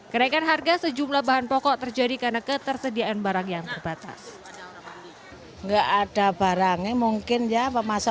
kenaikan harga sejumlah bahan pokok terjadi karena ketersediaan barang yang terbatas